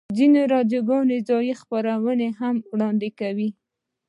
ځینې راډیوګانې ځایی خپرونې هم وړاندې کوي